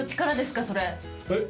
えっ？